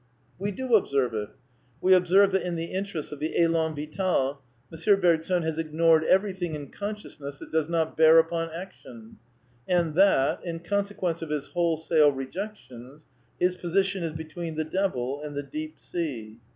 We do observe it. We observe that in the interests of the jSlan Vitcd, M. Bergson has ignored everything in con sciousness that does not bear upon action; and that, in consequence of his wholesale rejections, his position is be . tween the devil and the deep sea.